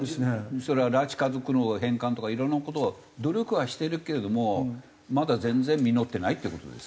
それは拉致家族の返還とかいろんな事を努力はしてるけどもまだ全然実ってないっていう事です。